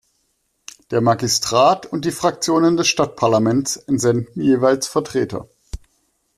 Der Magistrat und die Fraktionen des Stadtparlaments entsenden jeweils Vertreter.